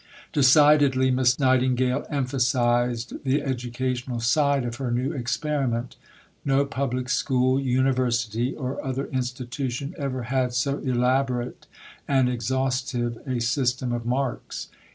Decidedly Miss Nightingale emphasized the educational side of her new experiment. No public school, university, or other institution ever had so elaborate and exhaustive a system of marks.